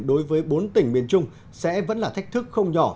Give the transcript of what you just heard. đối với bốn tỉnh miền trung sẽ vẫn là thách thức không nhỏ